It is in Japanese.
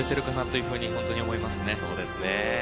そうですね。